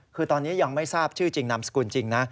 คือตอนนี้ยังไม่ทราบชื่อจริงนามสกุลจริงนะ